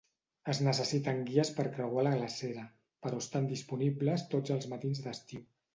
Es necessiten guies per creuar la glacera, però estan disponibles tots els matins d'estiu.